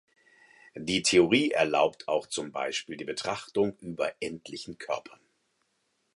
Die Theorie erlaubt auch zum Beispiel die Betrachtung über endlichen Körpern.